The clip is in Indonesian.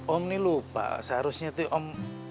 om nih lupa seharusnya tuh om